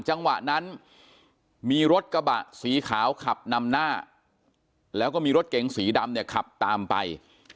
จังหวะนั้นมีรถกระบะสีขาวขับนำหน้าแล้วก็มีรถเก๋งสีดำเนี่ยขับตามไป